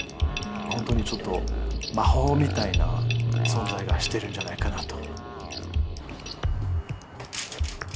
本当にちょっと魔法みたいな存在がしてるんじゃないかなと。